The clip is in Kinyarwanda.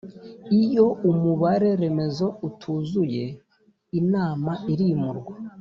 iyo umubare remezo utuzuye inama irimurwa